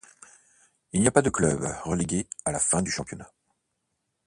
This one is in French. Il n’y a pas de club relégué à la fin du championnat.